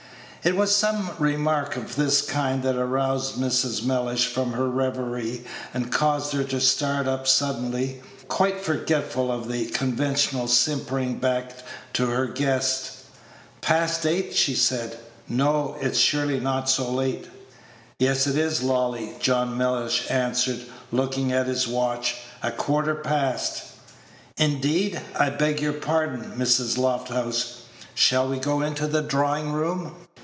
It was some remark of this kind that aroused Mrs. Mellish from her reverie, and caused her to start up suddenly, quite forgetful of the conventional simpering beck to her guest. "Past eight!" she said; "no, it's surely not so late?" "Yes it is, Lolly, "John Mellish answered, looking at his watch, "a quarter past." "Indeed! I beg your pardon, Mrs. Lofthouse; shall we go into the drawing room?"